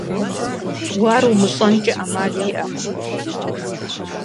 Уэ ар умыщӀэнкӀэ Ӏэмал иӀакъым.